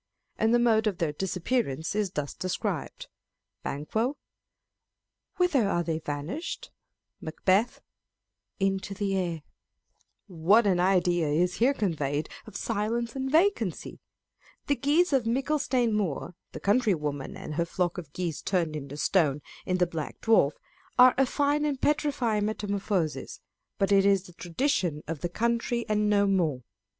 And the mode of their disappearance is thus describedâ€" Ban. whither are they vanished ? Macb. Into the air 2 i 482 Scott, Racine, and Shakespeare. What an idea is here conveyed of silence and vacancy ! The geese of Micklestane Muir (the country woman and her flock of geese turned into stone) in the Black Dwarf, are a fine and petrifying metamorphosis ; but it is the tradition of the country and no more.